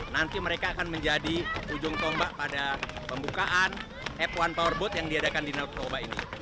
nanti mereka akan menjadi ujung tombak pada pembukaan f satu powerboat yang diadakan di narkoba ini